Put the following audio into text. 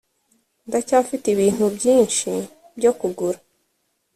ndacyafite ibintu byinshi byo kugura.